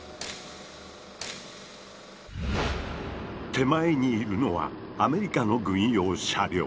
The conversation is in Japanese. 手前にいるのはアメリカの軍用車両。